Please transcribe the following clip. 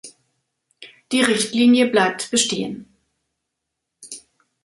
Die Richtlinie bleibt bestehen.